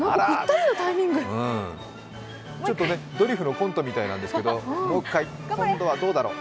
あらあ、ちょっとドリフのコントみたいなんですけど、もう一回、今度はどうだろう？